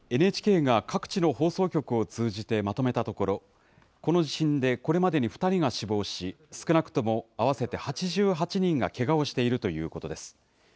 ＮＨＫが各地の放送局を通じてまとめたところ、この地震でこれまでに２人が死亡し、少なくとも合わせて８８人がけがをしているということです。